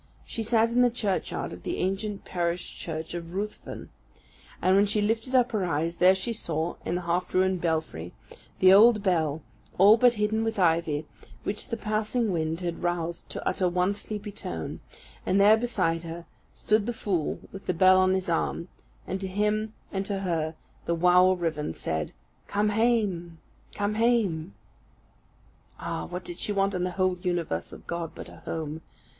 She sat in the churchyard of the ancient parish church of Ruthven; and when she lifted up her eyes, there she saw, in the half ruined belfry, the old bell, all but hidden with ivy, which the passing wind had roused to utter one sleepy tone; and there beside her, stood the fool with the bell on his arm; and to him and to her the wow o' Rivven said, "Come hame, come hame!" Ah, what did she want in the whole universe of God but a home?